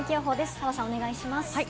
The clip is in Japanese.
澤さん、お願いします。